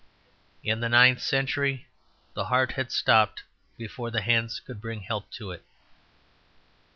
In the ninth century the heart had stopped before the hands could bring help to it.